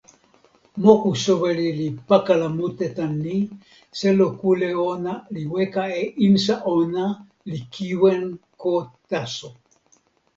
moku soweli li pakala mute tan ni: selo kule ona li weka la insa ona li kiwen ko taso!